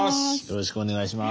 よろしくお願いします。